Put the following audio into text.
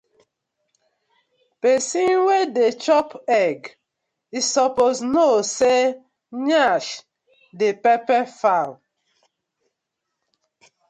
Pesin wey dey chop egg e suppose kno say yansh dey pepper fowl.